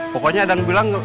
pokoknya ada yang bilang